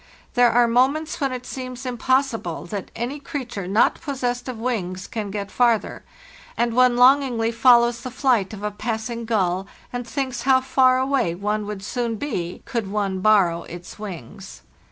There are moments when it seems impossible that any creature not possessed of wings can get farther, and one longingly follows the flight of a passing gull, and thinks how far away one would soon be could one borrow its wings.